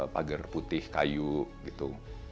pagar putih kayu gitu